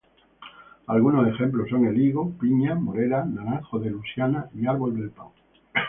Algunos ejemplos son el higo, piña, morera, naranjo de Luisiana y árbol del pan.